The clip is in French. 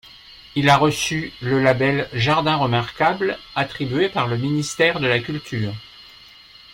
Il a reçu le label Jardin remarquable attribué par le Ministère de la culture.